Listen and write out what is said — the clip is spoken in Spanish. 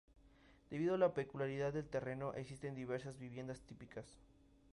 Debido a la peculiaridad del terreno, existen diversas viviendas típicas.